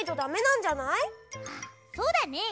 あっそうだね！